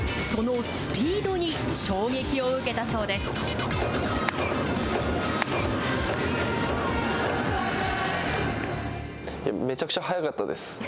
そのスピードに衝撃を受けたそうです。